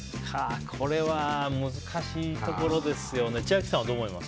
これは難しいところですよね。